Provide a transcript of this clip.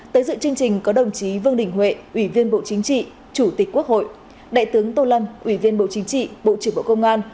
tới dự chương trình có đồng chí vương đình huệ ủy viên bộ chính trị chủ tịch quốc hội đại tướng tô lâm ủy viên bộ chính trị bộ trưởng bộ công an